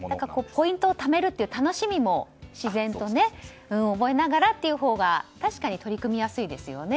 ポイントをためるという楽しみも自然と覚えながらというほうが取り組みやすいですね。